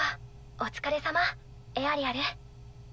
お疲れさまエアリアル。